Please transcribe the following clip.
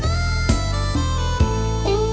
อยากไปหาแสน